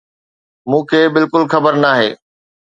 مون کي بلڪل خبر ناهي